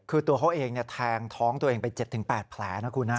คือตัวเขาเองแทงท้องตัวเองไป๗๘แผลนะคุณนะ